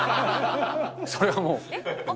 それはもう。